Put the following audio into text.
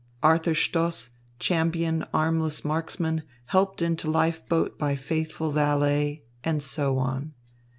Arthur Stoss, champion armless marksman, helped into life boat by faithful valet," and so on.